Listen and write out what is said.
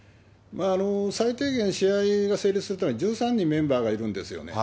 最低限試合が成立するには１３人メンバーがいるんですよね。